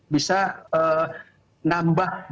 bisa nambah dari